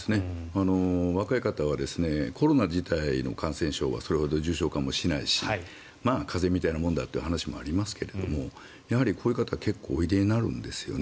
若い方はコロナ自体の感染症はそれほど重症化もしないしまあ風邪みたいなものだという話もありますけれどやはり、こういう方結構おいでになるんですよね。